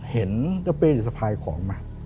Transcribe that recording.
เห็นเจ้าเปรี้ยนที่สะพายของมา